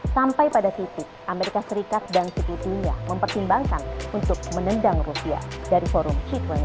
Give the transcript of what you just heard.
sampai pada titik amerika serikat dan city nya mempertimbangkan untuk menendang rusia dari forum g dua puluh